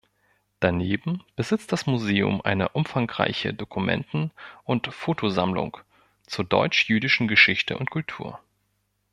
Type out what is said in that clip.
Daneben besitzt das Museum eine umfangreiche Dokumenten- und Fotosammlung zur deutsch-jüdischen Geschichte und Kultur.